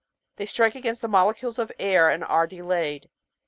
They strike against the molecules of air and are delayed.